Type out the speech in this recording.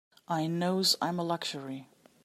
I knows I'm a luxury.